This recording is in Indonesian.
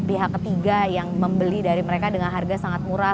pihak ketiga yang membeli dari mereka dengan harga sangat murah